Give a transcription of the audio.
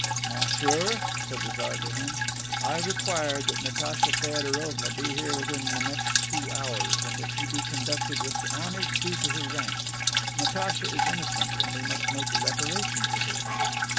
"Monsieur," said the Tsar to him, "I require that Natacha Feodorovna be here within the next two hours, and that she be conducted with the honors due to her rank. Natacha is innocent, and we must make reparation to her."